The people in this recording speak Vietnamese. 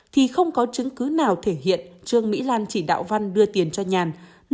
thì không có chứng cứ nào thể hiện trương mỹ lan chỉ đạo văn đưa tiền cho nhàn